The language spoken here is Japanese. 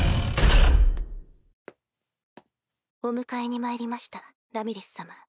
お迎えにまいりましたラミリス様。